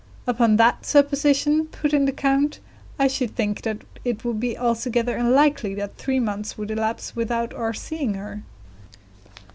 "Upon that supposition," put in the count, "I should think that it would be altogether unlikely that three months would elapse without our seeing her."